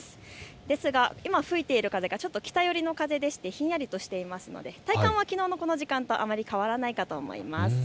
ですが、今吹いている風がちょっと北寄りの風でしてひんやりとしていますので体感はきのうのこの時間とあまり変わらないかと思います。